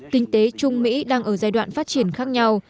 kinh tế trung mỹ đang ở giai đoạn phát triển khác nhau